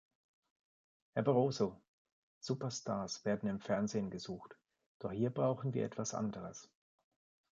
Herr Barroso, Superstars werden im Fernsehen gesucht, doch hier brauchen wir etwas anderes.